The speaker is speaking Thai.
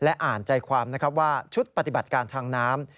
อ่านใจความนะครับว่าชุดปฏิบัติการทางน้ำ